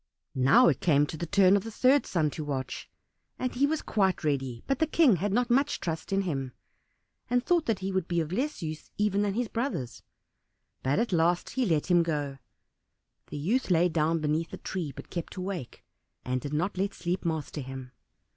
Now it came to the turn of the third son to watch; and he was quite ready, but the King had not much trust in him, and thought that he would be of less use even than his brothers; but at last he let him go. The youth lay down beneath the tree, but kept awake, and did not let sleep master him.